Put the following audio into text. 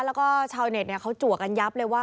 แล้วก็ชาวเน็ตเขาจัวกันยับเลยว่า